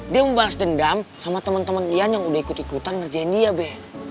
dia mau balas dendam sama teman teman ian yang sudah ikut ikutan ngerjain dia be